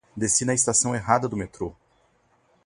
Desci na estação errada do metrô.